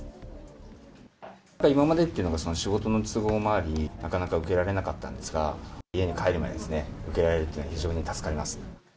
今までって仕事の都合もあり、なかなか受けられなかったんですが、家に帰る前に受けられるというのは、非常に助かります。